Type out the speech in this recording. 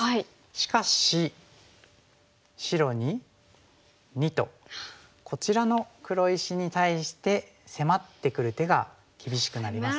しかし白に②とこちらの黒石に対して迫ってくる手が厳しくなりますね。